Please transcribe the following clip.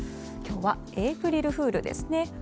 今日はエープリルフールですね。